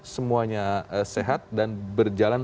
semuanya sehat dan berjalan